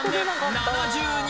７２